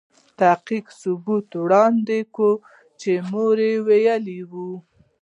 تحقیقي ثبوت وړاندې کوي چې مور يې ویلې وه.